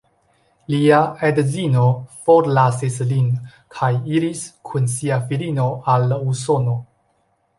Lia edzino forlasis lin kaj iris kun sia filino al Usono.